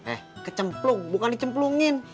eh kecemplung bukan dicemplungin